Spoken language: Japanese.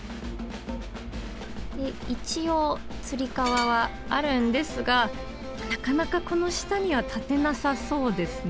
でいちおうつりかわはあるんですがなかなかこのしたにはたてなさそうですね。